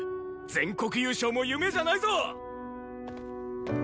全国優勝も夢じゃないぞ！